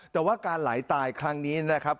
แต่ว่าการไหลตายครั้งนี้นะครับ